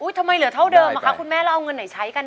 ทำไมเท่าเดิมคุณแม่เราเอาเงินไหนใช้กัน